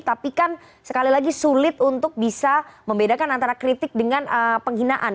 tapi kan sekali lagi sulit untuk bisa membedakan antara kritik dengan penghinaan